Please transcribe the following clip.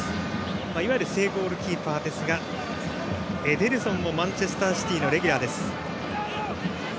いわゆる正ゴールキーパーですがエデルソンもマンチェスターシティーのレギュラーです。